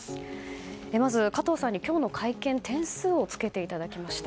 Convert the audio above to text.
まず加藤さんに今日の会見点数をつけていただきました。